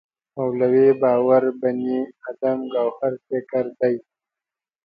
مولوی باور بني ادم ګوهر فکر دی.